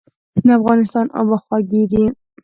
د افغانستان اوبه خوږې دي